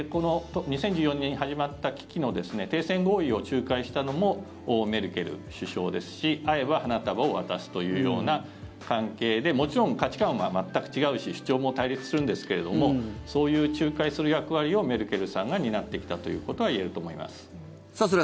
２０１４年に始まった危機の停戦合意を仲介したのもメルケル首相ですし会えば花束を渡すというような関係でもちろん価値観は全く違うし主張も対立するんですけれどもそういう仲介する役割をメルケルさんが担ってきたということは言えると思います。